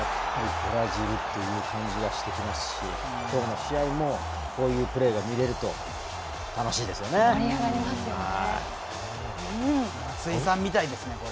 ブラジルっていう感じがしてきますし今日の試合もこういうプレーが見れると楽しいですよね。